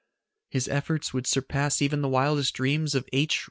His efforts would surpass even the wildest dreams of H.